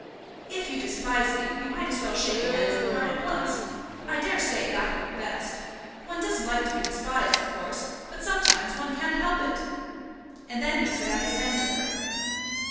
"If you despise me, we might as well shake hands and part at once. I daresay that will be best. One doesn't like to be despised, of course; but sometimes one can't help it." And then he put out his hand to her.